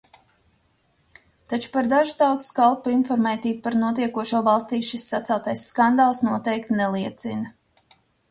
Taču par dažu tautas kalpu informētību par notiekošo valstī šis saceltais skandāls noteikti neliecina.